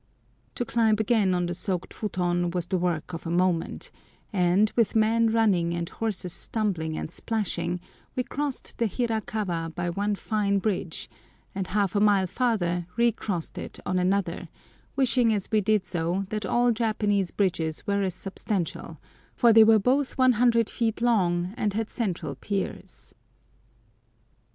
To climb again on the soaked futon was the work of a moment, and, with men running and horses stumbling and splashing, we crossed the Hirakawa by one fine bridge, and half a mile farther re crossed it on another, wishing as we did so that all Japanese bridges were as substantial, for they were both 100 feet long, and had central piers.